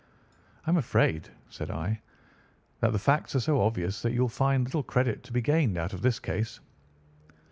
"I am afraid," said I, "that the facts are so obvious that you will find little credit to be gained out of this case."